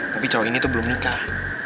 kopi cowok ini tuh belum nikah